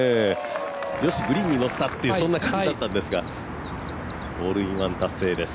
よしグリーンにのったっていうそういう感じだったんですがホールインワン達成です。